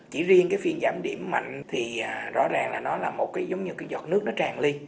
chỉ riêng cái phiên giảm điểm mạnh thì rõ ràng là nó là một cái giống như cái giọt nước nó tràn ly